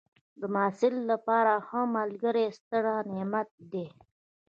د محصل لپاره ښه ملګری ستر نعمت دی.